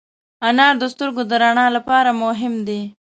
انار د سترګو د رڼا لپاره مهم دی.